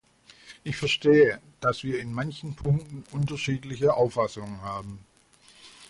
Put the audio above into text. Ich verstehe, dass wir in manchen Punkten unterschiedliche Auffassungen haben.